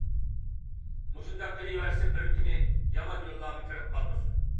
مۇشۇنداق قىلىۋەرسە بىر كۈنى يامان يوللارغا كىرىپ قالمىسۇن.